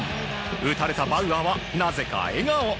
打たれたバウアーは、なぜか笑顔。